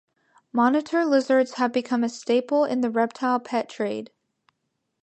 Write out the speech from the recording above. Monitor lizards have become a staple in the reptile pet trade.